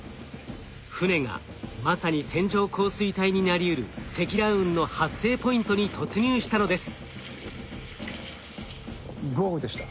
船がまさに線状降水帯になりうる積乱雲の発生ポイントに突入したのです。